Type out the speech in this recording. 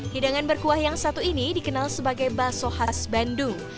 hidangan berkuah yang satu ini dikenal sebagai bakso khas bandung